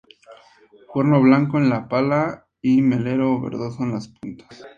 Cuerno blanco en la pala y melero o verdoso en las puntas.